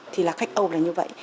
thì là khách âu là như vậy